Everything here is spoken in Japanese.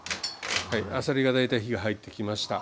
はいあさりが大体火が入ってきました。